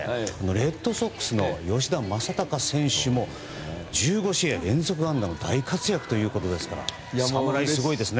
レッドソックスの吉田正尚選手も１５試合連続安打の大活躍ということですから侍、すごいですね。